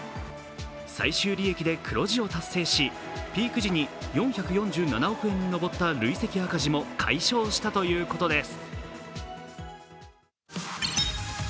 最終利益で黒字を達成し、ピーク時に４４７億円に上った累積赤字も解消したということです。